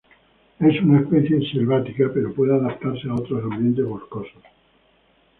Es una especie selvática, pero puede adaptarse a otros ambientes boscosos.